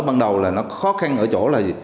ban đầu là nó khó khăn ở chỗ